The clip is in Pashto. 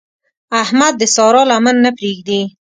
احمد د سارا لمن نه پرېږدي.